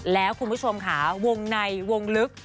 แล้วคุณผู้ชมค่ะวงในวงลึก